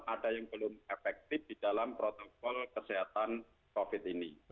ada yang belum efektif di dalam protokol kesehatan covid ini